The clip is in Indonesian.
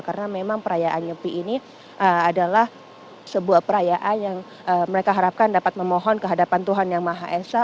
karena memang perayaan nyepi ini adalah sebuah perayaan yang mereka harapkan dapat memohon kehadapan tuhan yang maha esa